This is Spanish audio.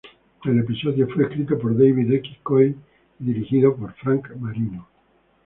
El episodio fue escrito por David X. Cohen y dirigido por Frank Marino.